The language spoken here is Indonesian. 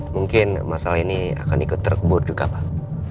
mungkin masalah ini akan ikut terkebur juga pak